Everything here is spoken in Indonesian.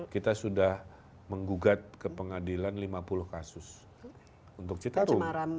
kita sudah menggugat ke pengadilan lima puluh kasus untuk citarum